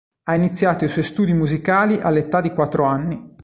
Ha iniziato i suoi studi musicali all'età di quattro anni.